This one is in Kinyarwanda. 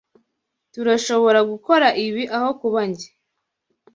Turashoboragukora ibi aho kuba njye?